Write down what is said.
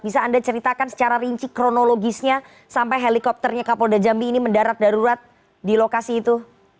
bisa anda ceritakan secara rinci kronologisnya sampai helikopternya kapolda jambi ini mendarat darurat di lokasi itu